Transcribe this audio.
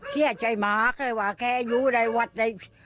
เสียใจหมาแค่ว่าแค่อยู่ในวัดได้